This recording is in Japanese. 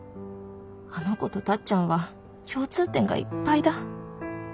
あの子とタッちゃんは共通点がいっぱいだ。